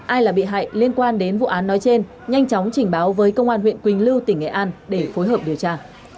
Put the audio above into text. ai là bị hại liên quan đến vụ án nói trên nhanh chóng trình báo với công an huyện quỳnh lưu tỉnh nghệ an để phối hợp điều tra